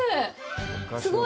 すごい！